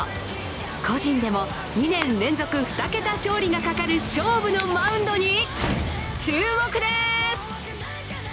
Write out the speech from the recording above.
個人でも２年連続２桁勝利がかかる勝負のマウンドに注目です！